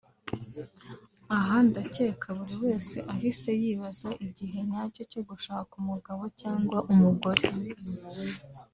Aha ndakeka buri wese ahise yibaza igihe nyacyo cyo gushaka umugabo cyangwa umugore